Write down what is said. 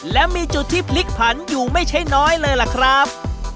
และมีจุดที่พลิกผันอยู่ไม่ใช่น้อยเลยล่ะครับ